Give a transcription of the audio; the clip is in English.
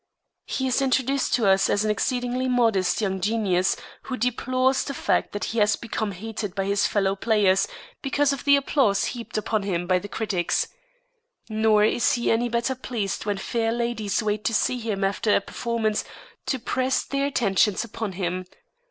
He is introduced to us as an exceedingly modest young genius who deplores the fact that he has become hated by his fellow players because of the applause heaped upon him by the critics. Nor is he any better pleased when fair ladies wait to see him after a performance to press their attentions upon him.